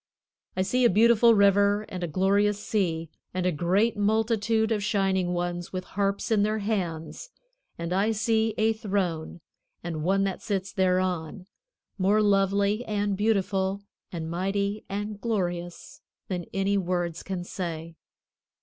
I see a beautiful River and a glorious Sea, and a great multitude of shining ones with harps in their hands, and I see a throne and One that sits thereon, more lovely and beautiful and mighty and glorious than any words can say.